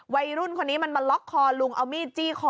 วัยรุ่นคนนี้มันมาล็อกคอลุงเอามีดจี้คอ